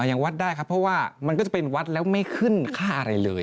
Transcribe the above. ยังวัดได้ครับเพราะว่ามันก็จะเป็นวัดแล้วไม่ขึ้นค่าอะไรเลย